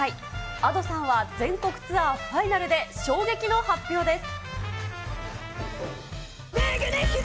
Ａｄｏさんは全国ツアーファイナルで、衝撃の発表です。